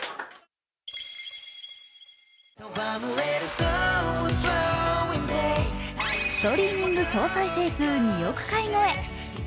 ストリーミング総再生数２億回超え。